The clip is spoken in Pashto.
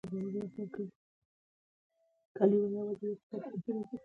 ورور ته له زړه دعا کوې.